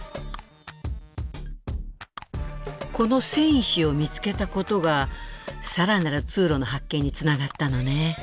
この栓石を見つけたことが更なる通路の発見につながったのね。